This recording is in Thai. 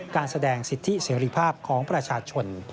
การแสดงสิทธิเสรีภาพของประชาชน